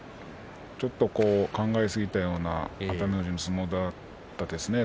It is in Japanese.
ちょっと考えすぎたような熱海富士の相撲だったですよね。